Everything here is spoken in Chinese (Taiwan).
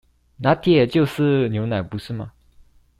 「拿鐵」就是牛奶不是嗎？